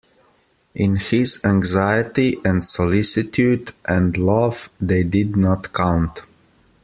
In his anxiety and solicitude and love they did not count.